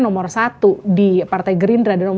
nomor satu di partai gerindra